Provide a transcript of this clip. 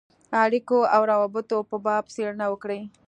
اړېکو او روابطو په باب څېړنه وکړي.